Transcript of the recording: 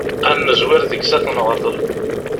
Ad nezwir deg-s ad t-neɣḍel.